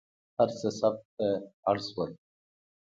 هر څه ثبت ته اړ شول.